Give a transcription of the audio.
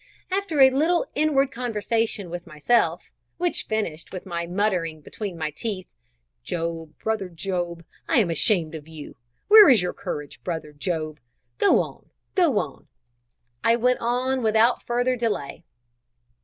After a little inward conversation with myself, which finished with my muttering between my teeth, "Job, brother Job, I am ashamed of you! where is your courage, brother Job? Go on; go on;" I went on without further delay.